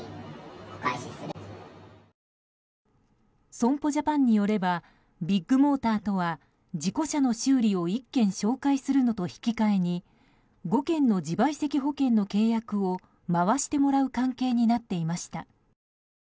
損保ジャパンによればビッグモーターとは事故車の修理を１件紹介するのと引き換えに５件の自賠責保険の契約を回してもらう関係になっていました。